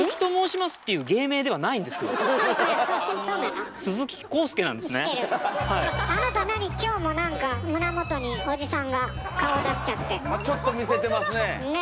まあちょっと見せてますねえ。